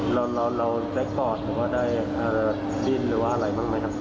เราแจ็คพอร์ตหรือว่าได้ยินหรือว่าอะไรบ้างไหมครับ